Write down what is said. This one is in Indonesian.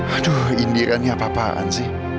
aduh indira ini apa apaan sih